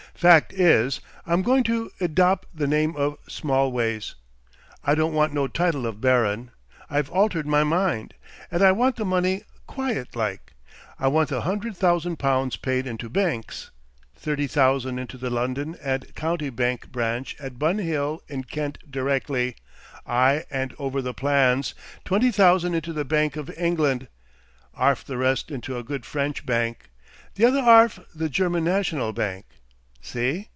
"Fact is, I'm going to edop' the name of Smallways. I don't want no title of Baron; I've altered my mind. And I want the money quiet like. I want the hundred thousand pounds paid into benks thirty thousand into the London and County Benk Branch at Bun Hill in Kent directly I 'and over the plans; twenty thousand into the Benk of England; 'arf the rest into a good French bank, the other 'arf the German National Bank, see?